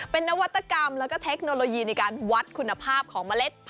เป็นนวัตกรรมแล้วก็เทคโนโลยีในการวัดคุณภาพของเมล็ด